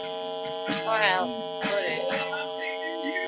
Kriel put it.